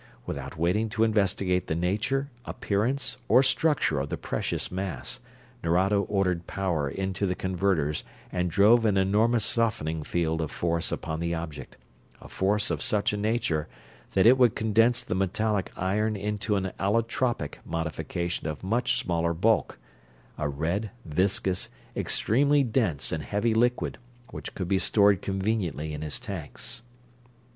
Without waiting to investigate the nature, appearance, or structure of the precious mass, Nerado ordered power into the converters and drove an enormous softening field of force upon the object a force of such a nature that it would condense the metallic iron into an allotropic modification of much smaller bulk; a red, viscous, extremely dense and heavy liquid which could be stored conveniently in his tanks.